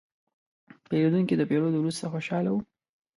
پیرودونکی د پیرود وروسته خوشاله و.